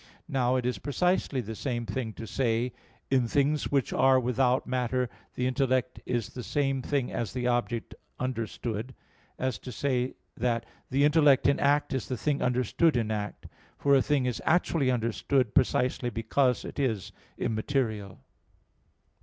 Now, it is precisely the same thing to say "in things which are without matter, the intellect is the same thing as the object understood," as to say that "the intellect in act is the thing understood in act"; for a thing is actually understood, precisely because it is immaterial.